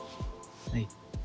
はい。